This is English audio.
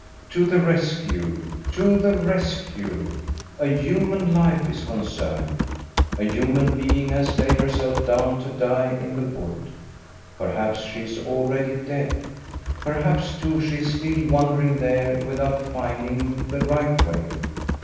To the rescue, to the rescue! A human life is concerned! A human being has laid herself down to die in the wood! Perhaps she is already dead. Perhaps, too, she is still wandering there without finding the right way.